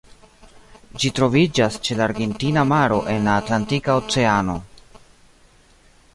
Ĝi troviĝas ĉe la Argentina Maro en la Atlantika Oceano.